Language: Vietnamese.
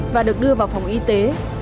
và được đưa vào phòng y tế